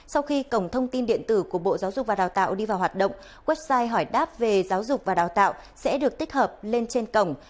sau khi cổng thông tin điện tử của bộ giáo dục và đào tạo đi vào hoạt động website hỏi đáp về giáo dục và đào tạo sẽ được tích hợp lên trên cổng